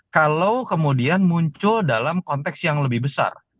kalau kemudian muncul dalam konteks yang lebih besar